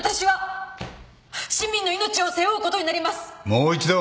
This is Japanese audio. もう一度！